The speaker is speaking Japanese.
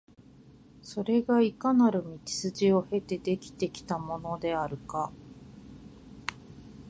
それがいかなる道筋を経て出来てきたものであるか、